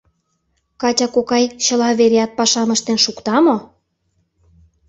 — Катя кокай чыла вереат пашам ыштен шукта мо?